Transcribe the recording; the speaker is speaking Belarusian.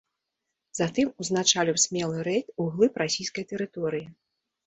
Затым узначаліў смелы рэйд у глыб расійскай тэрыторыі.